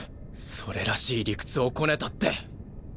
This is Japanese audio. それらしい理屈をこねたって。